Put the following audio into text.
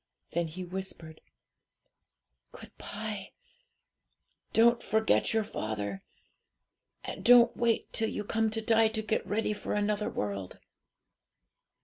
Then he whispered '"Good bye! don't forget your father; and don't wait till you come to die to get ready for another world."